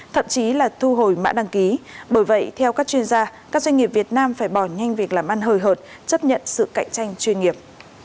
thậm chí là thu hồi mã đăng ký bởi vậy theo các chuyên gia các doanh nghiệp việt nam phải bỏ nhanh việc làm ăn hời hợt chấp nhận sự cạnh tranh chuyên nghiệp